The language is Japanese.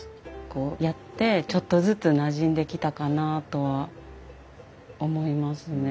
こうやってちょっとずつなじんできたかなあとは思いますね。